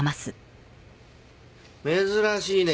珍しいね